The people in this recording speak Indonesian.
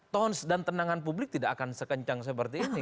tons dan tenangan publik tidak akan sekencang seperti ini